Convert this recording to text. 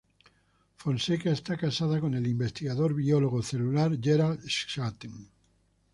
Fonseca está casada con el investigador biólogo celular Gerald Schatten.